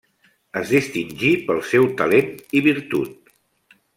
Es distingí pel seu talent i virtut.